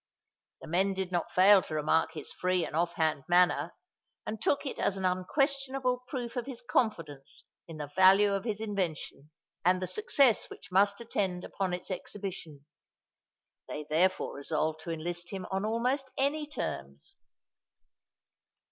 The men did not fail to remark his free and off hand manner, and took it as an unquestionable proof of his confidence in the value of his invention and the success which must attend upon its exhibition. They therefore resolved to enlist him on almost any terms.